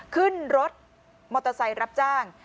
ขึ้นรถมอเตอร์ไซค์รับจ้าง